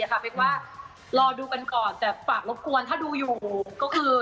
เป๊กว่ารอดูกันก่อนแต่ฝากรบกวนถ้าดูอยู่ก็คือ